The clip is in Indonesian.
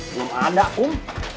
belum ada kum